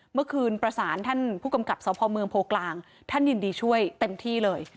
เมื่อคืนประสานท่านผู้กำกับสพเมืองโพกลางท่านยินดีช่วยเต็มที่เลย